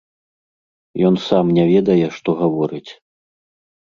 Ён сам не ведае, што гаворыць.